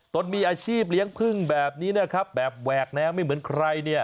ตนมีอาชีพเลี้ยงพึ่งแบบนี้นะครับแบบแหวกแนวไม่เหมือนใครเนี่ย